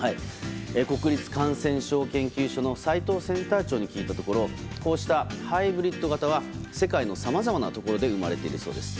国立感染症研究所の斎藤センター長に聞いたところこうしたハイブリッド型は世界のさまざまなところで生まれているそうです。